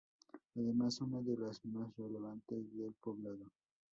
Además es una de las más relevantes del Poblado.